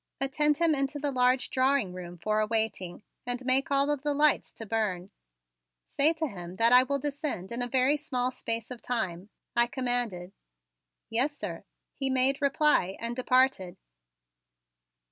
"Attend him into the large drawing room for a waiting and make all of the lights to burn. Say to him that I will descend in a very small space of time," I commanded. "Yes, sir," he made reply and departed.